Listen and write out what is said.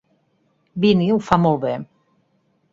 Vinnie ho fa molt bé!